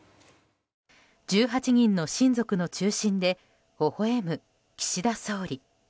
１８人の親族の中心でほほ笑む、岸田総理。